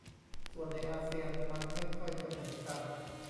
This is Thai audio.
ส่วนในอาเซียนมันไม่ค่อยจะเหมือนกัน